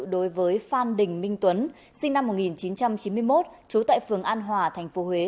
đối với phan đình minh tuấn sinh năm một nghìn chín trăm chín mươi một trú tại phường an hòa tp huế